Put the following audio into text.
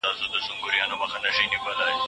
موږ به د ناوړه عرفونو په وړاندي مبارزه وکړو.